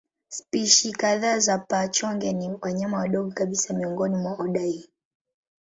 Spishi kadhaa za paa-chonge ni wanyama wadogo kabisa miongoni mwa oda hii.